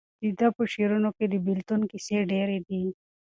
د ده په شعرونو کې د بېلتون کیسې ډېرې دي.